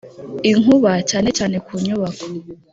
Inkuba cyane cyane ku nyubako